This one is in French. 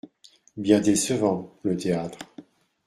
Bien décevant, le théâtre…